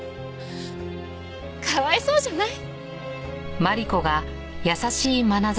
かわいそうじゃない。